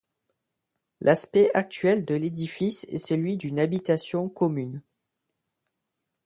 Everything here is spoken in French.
L'aspect actuel de l'édifice est celui d'une habitation commune.